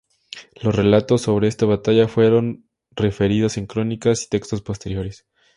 Los relatos sobre esta batalla fueron referidos en crónicas y textos posteriores.